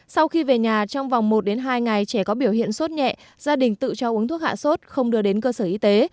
sau khi về nhà trong vòng một hai ngày trẻ có biểu hiện sốt nhẹ gia đình tự cho uống thuốc hạ sốt không đưa đến cơ sở y tế